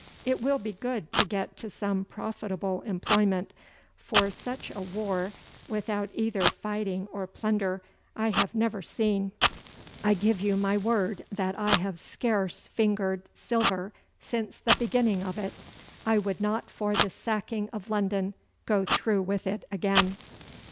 It will be good to get to some profitable employment, for such a war, without either fighting or plunder, I have never seen. I give you my word that I have scarce fingered silver since the beginning of it. I would not for the sacking of London go through with it again.